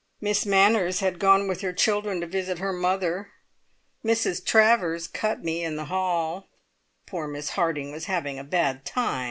Mrs Manners had gone with her children to visit her mother; Mrs Travers cut me in the hall. Poor Miss Harding was having a bad time!